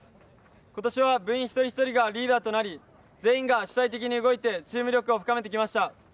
ことしは部員一人一人がリーダーとなり、全員が主体的に動いてチーム力を深めてきました。